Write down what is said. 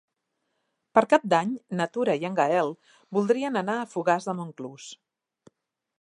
Per Cap d'Any na Tura i en Gaël voldrien anar a Fogars de Montclús.